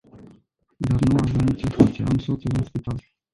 Dar nu avem ce face, am soțul în spital.